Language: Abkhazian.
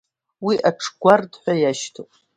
Уи аҽгәард ҳәа иашьҭоуп.